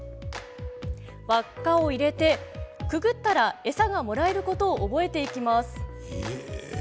輪っかを入れてくぐったら餌がもらえることを覚えていきます。